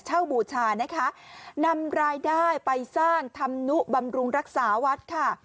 บูชานะคะนำรายได้ไปสร้างธรรมนุบำรุงรักษาวัดค่ะ